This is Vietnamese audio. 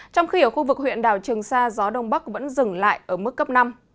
trong khi ở khu vực huyện đảo trường sa gió đông bắc vẫn dừng lại ở mức cấp năm